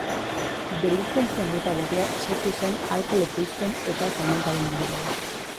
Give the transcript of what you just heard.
Delinkuentzia mota berria sortu zen alkohol ekoizpen eta salmentaren inguruan.